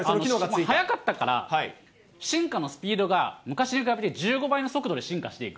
速かったから、進化のスピードが、昔に比べて１５倍の速度で進化していく。